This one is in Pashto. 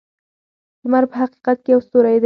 لمر په حقیقت کې یو ستوری دی.